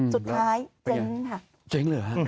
สุดท้ายเว้นล้างเลยนะคะ